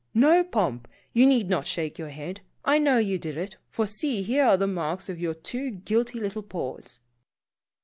No, Pomp, you need not shake your head. I know you did it, for see, here are the marks of your two guilty little paws